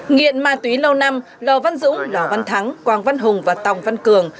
nghiện ma túy lâu năm lò văn dũng lò văn thắng quang văn hùng và tòng văn cường